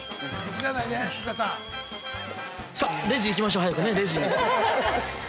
さあレジ行きましょう、早く、レジに。